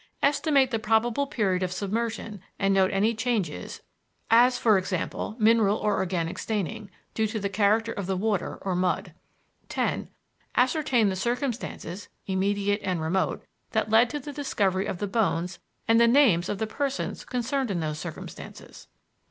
Estimate the probable period of submersion and note any changes (as e.g., mineral or organic staining) due to the character of the water or mud. "10. Ascertain the circumstances (immediate and remote) that led to the discovery of the bones and the names of the persons concerned in those circumstances.